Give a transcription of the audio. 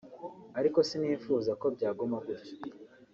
ariko sinifuza ko byaguma gutyo